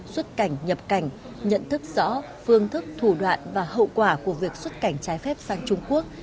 xuất cảnh nhập cảnh nhận thức rõ phương thức thủ đoạn và hậu quả của việc xuất cảnh trái phép sang trung quốc